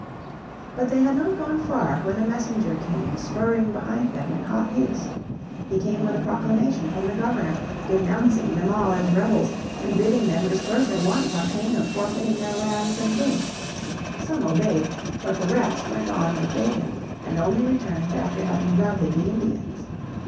But they had not gone far when a messenger came spurring behind them in hot haste. He came with a proclamation from the Governor denouncing them all as rebels, and bidding them disperse at once on pain of forfeiting their lands and goods. Some obeyed, but the rest went on with Bacon, and only returned after having routed the Indians.